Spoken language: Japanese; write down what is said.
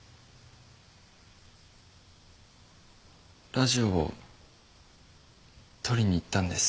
ラジオを取りに行ったんです。